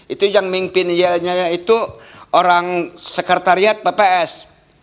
itu yang mimpinnya itu orang sekretariat pps